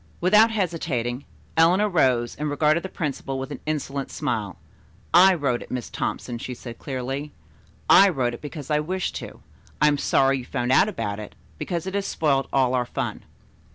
Without hesitating, Eleanor rose and regarded the principal with an insolent smile. "I wrote it, Miss Thompson," she said clearly. "I wrote it because I wished to. I am sorry you found out about it, because it has spoiled all our fun."